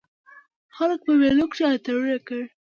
خلک په مېلو کښي اتڼونه کوي.